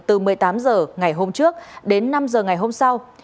từ một mươi tám giờ ngày hôm trước đến năm giờ ngày hôm sau